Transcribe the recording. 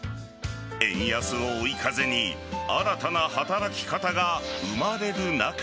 円安を追い風に新たな働き方が生まれる中